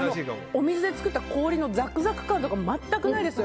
お水で作った氷のザクザク感とか全くないです。